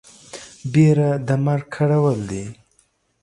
بيره د مرگ کرول دي.